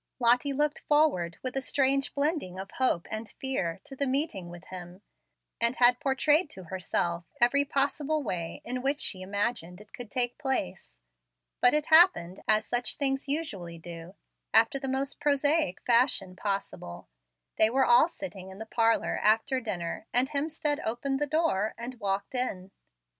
Lottie looked forward with a strange blending of hope and fear to the meeting with him, and had portrayed to herself every possible way in which she imagined it could take place. But it happened, as such things usually do, after the most prosaic fashion possible. They were all sitting in the parlor, after dinner, and Hemstead opened the door and walked in.